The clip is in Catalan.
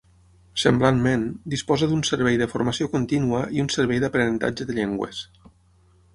Semblantment, disposa d'un servei de formació contínua i un servei d'aprenentatge de llengües.